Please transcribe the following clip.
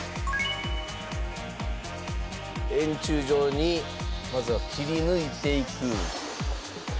円柱状にまずは切り抜いていく。